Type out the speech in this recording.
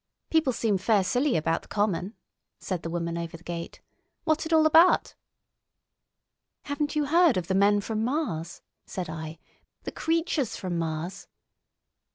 "People seem fair silly about the common," said the woman over the gate. "What's it all abart?" "Haven't you heard of the men from Mars?" said I; "the creatures from Mars?"